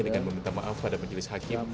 dengan meminta maaf pada majelis hakim